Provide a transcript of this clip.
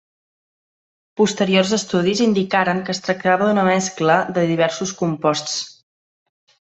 Posteriors estudis indicaren que es tractava d'una mescla de diversos composts.